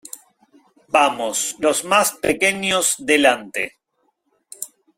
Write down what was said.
Vamos , los más pequeños delante .